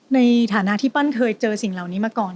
ในฐานะที่ปั้นเคยเจอสิ่งเหล่านี้มาก่อน